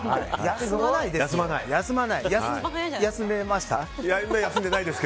休まないですよ。